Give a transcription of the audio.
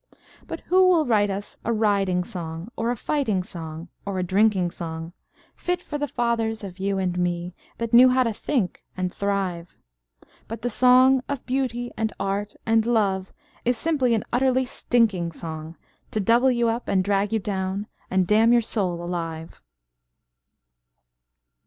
But who will write us a riding song Or a fighting song or a drinking song, Fit for the fathers of you and me, That knew how to think and thrive? But the song of Beauty and Art and Love Is simply an utterly stinking song, To double you up and drag you down And damn your soul alive.